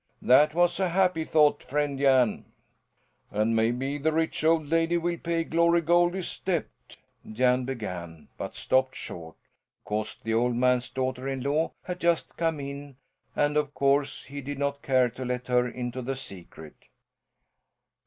"That was a happy thought, friend Jan!" "And maybe the rich old lady will pay Glory Goldie's debt?" Jan began, but stopped short, because the old man's daughter in law had just come in, and of course he did not care to let her into the secret.